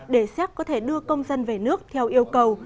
để séc có thể đưa công dân về nước theo yêu cầu